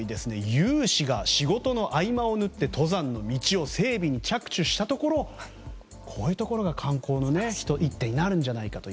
有志が仕事の合間を縫って登山の道を整備に着手したところこういうところが観光の一手になるんじゃないかと。